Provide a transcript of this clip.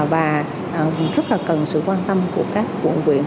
và rất là cần sự quan tâm của các quận quyện